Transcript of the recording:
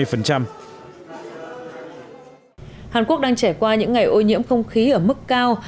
hàn quốc đang trải qua những ngày ô nhiễm không khí ở mức cao